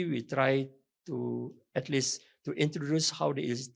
kita mencoba setidaknya untuk menunjukkan bagaimana lct